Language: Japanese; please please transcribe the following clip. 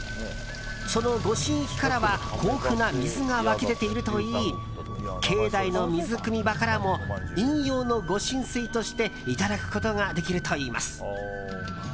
その御神域からは豊富な水が湧き出ているといい境内の水くみ場からも飲用の御神水としていただくことができるといいます。